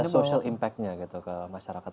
ada social impact nya gitu ke masyarakat